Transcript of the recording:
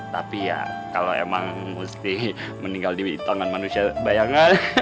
tapi ya kalau emang mesti meninggal di tangan manusia bayangan